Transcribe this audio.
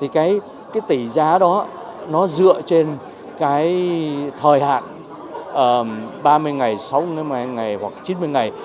thì cái tỷ giá đó nó dựa trên cái thời hạn ba mươi ngày sáu mươi ngày hoặc chín mươi ngày